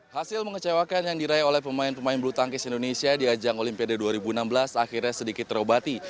hasil mengecewakan yang diraih oleh pemain pemain bulu tangkis indonesia di ajang olimpiade dua ribu enam belas akhirnya sedikit terobati